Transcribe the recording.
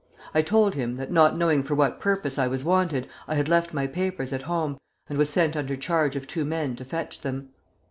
I told him that, not knowing for what purpose I was wanted, I had left my papers at home, and was sent under charge of two men to fetch them.